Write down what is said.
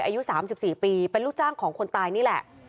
อายุ๓๔ปีเป็นลูกจ้างของคนตายนี่แหละ